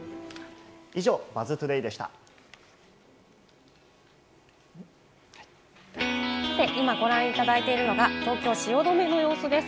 以上、「ＢＵＺＺＴＯＤＡ今、ご覧いただいているのが東京・汐留の様子です。